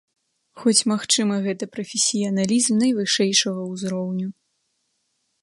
Хоць, магчыма, гэта прафесіяналізм найвышэйшага ўзроўню.